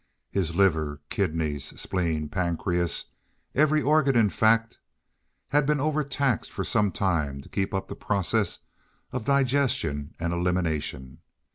His liver, kidneys, spleen, pancreas—every organ, in fact—had been overtaxed for some time to keep up the process of digestion and elimination.